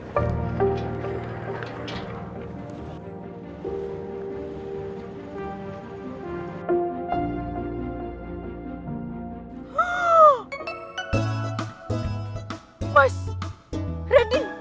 sampai jumpa di video selanjutnya